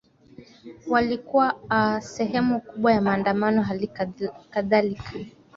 walikuwa aa sehemu kubwa ya maandamano halikadhalika